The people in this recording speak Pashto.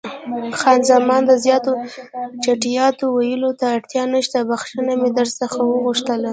خان زمان: د زیاتو چټیاتو ویلو ته اړتیا نشته، بښنه مې در څخه وغوښتله.